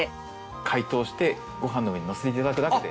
解凍してごはんの上にのせていただくだけで。